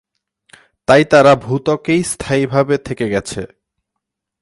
তাই তারা ভূ-ত্বকেই স্থায়ীভাবে থেকে গেছে।